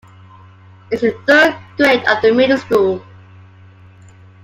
It is third grade of the middle school.